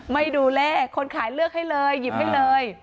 ไม่ดูเลขคนขายเลือกให้เลยหยิบให้เลย